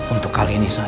untuk kali ini saja